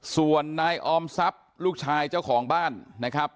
ส่วนนายออมทรัพย์ลูกชายเจ้าของบ้านนะครับ